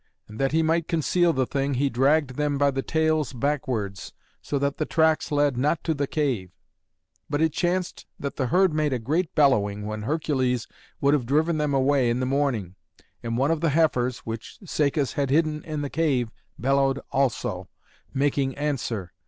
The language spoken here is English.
And that he might conceal the thing, he dragged them by the tails backwards, so that the tracks led not to the cave. But it chanced that the herd made a great bellowing when Hercules would have driven them away in the morning. And one of the heifers which Cacus had hidden in the cave bellowed also, making answer.